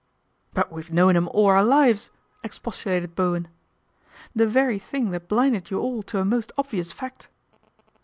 " But we've known him all our lives !" expostu lated Bowen. ' The very thing that blinded you all to a most obvious fact."